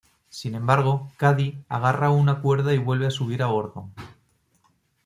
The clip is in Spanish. Sin embargo, Cady agarra una cuerda y vuelve a subir a bordo.